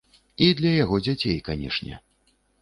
І для яго дзяцей, канешне.